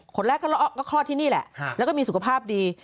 คนแรกก็คลอดที่นี่แหละแล้วก็มีสุขภาพดี